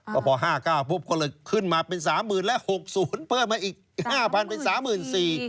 ก็พอ๕๙๐๐๐พบก็เลยขึ้นมาเป็น๓๐๐๐๐และ๖๐๐๐๐เพิ่มมาอีก๕๐๐๐เป็น๓๔๐๐๐